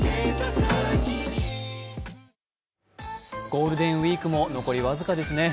ゴールデンウイークも残り僅かですね。